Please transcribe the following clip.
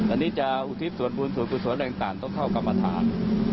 อันนี้จะอุทิศส่วนบุญส่วนกุศลอะไรต่างต้องเข้ากรรมฐาน